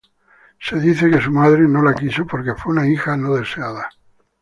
Se dice que su madre no la quiso porque fue una hija no deseada.